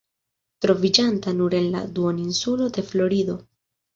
Troviĝanta nur en la duoninsulo de Florido.